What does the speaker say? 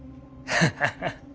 ハハハ